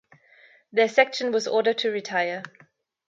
Their section was ordered to retire.